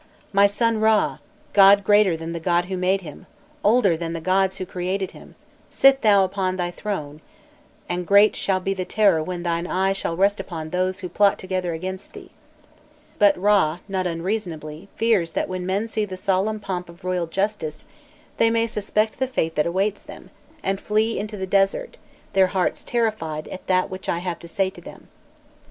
"My son Râ, god greater than the god who made him, older than the gods who created him, sit thou upon thy throne, and great shall be the terror when thine eye shall rest upon those who plot together against thee!" But Râ not unreasonably fears that when men see the solemn pomp of royal justice, they may suspect the fate that awaits them, and "flee into the desert, their hearts terrified at that which I have to say to them."